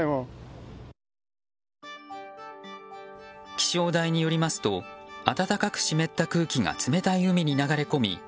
気象台によりますと暖かく湿った空気が冷たい海に流れ込み